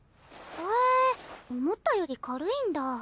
へぇ思ったより軽いんだ。